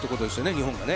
日本が。